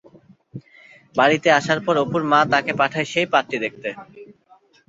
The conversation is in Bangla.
বাড়িতে আসার পর অপুর মা তাকে পাঠায় সেই পাত্রী দেখতে।